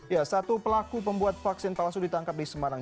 ya satu pelaku pembuat vaksin palsu ditangkap di semarang